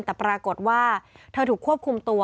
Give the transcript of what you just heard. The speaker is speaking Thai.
แต่ปรากฏว่าเธอถูกควบคุมตัว